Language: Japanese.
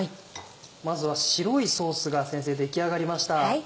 まずは白いソースが先生出来上がりました。